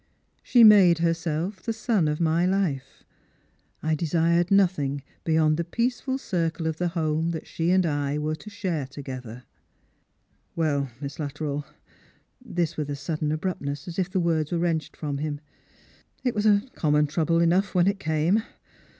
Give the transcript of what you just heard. She made herself the sun of my life. I desired nothing beyond the peaceful circle of the home that she and I were to share together. "Well, Miss Luttrell," — this with a sudden abruptness, as if the words were wrenched from him, —" it was a common trouble enough when it came.